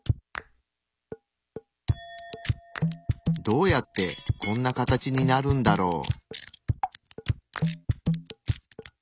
どうやってこんな形になるんだろう？